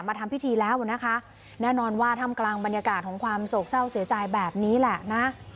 ทำพิธีแล้วนะคะแน่นอนว่าทำกลางบรรยากาศของความโศกเศร้าเสียใจแบบนี้แหละนะ